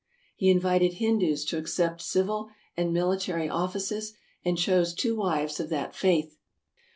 He in vited Hindoos to accept civil and military offices, and chose two wives of that faith.